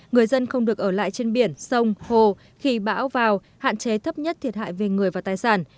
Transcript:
người dân không được ở lại trên biển sông hồ khi bão vào hạn chế thấp nhất thiệt hại về người và tài sản